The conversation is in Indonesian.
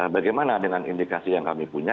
bagaimana dengan indikasi yang kami punya